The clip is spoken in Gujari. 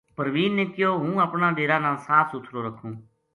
پروین نے کہیو ہوں اپنا ڈیرا نا صاف سُتھرو رکھوں